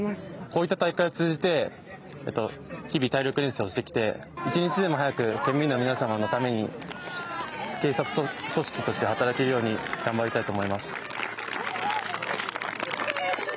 こういった大会を通じて日々体力錬成をしてきて１日でも早く県民の皆様のために警察組織として働けるように頑張りたいと思います。